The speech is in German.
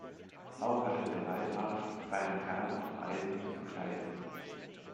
Auch hatte der Leibarzt seinen Herrn auf Reisen zu begleiten.